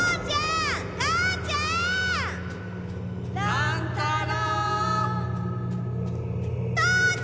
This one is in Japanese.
乱太郎！